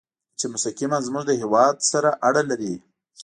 چې مستقیماً زموږ له هېواد سره اړه لري.